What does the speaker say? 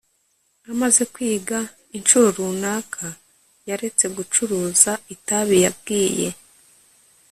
amaze kwiga incuro runaka yaretse gucuruza itabi yabwiye